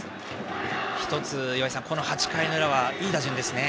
１つ、岩井さん、この８回の裏はいい打順ですね。